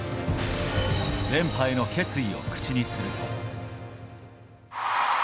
連覇への決意を口にすると。